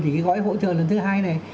thì cái gói hỗ trợ lần thứ hai này